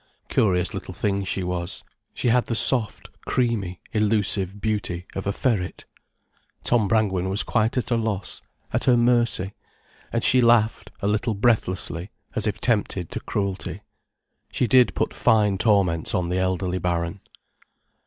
Curious little thing she was, she had the soft, creamy, elusive beauty of a ferret. Tom Brangwen was quite at a loss, at her mercy, and she laughed, a little breathlessly, as if tempted to cruelty. She did put fine torments on the elderly Baron.